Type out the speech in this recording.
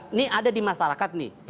ini ada di masyarakat nih